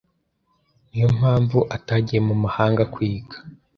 Niyo mpamvu atagiye mu mahanga kwiga.